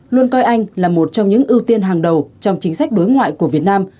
luôn coi anh là một trong những ưu tiên hàng đầu trong chính sách đối ngoại của việt nam